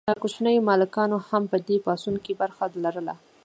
کوچنیو مالکانو هم په دې پاڅون کې برخه لرله.